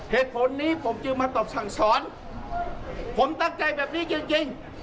เหตุผลนี้ผมจึงมาตอบสั่งสอนผมตั้งใจแบบนี้จริง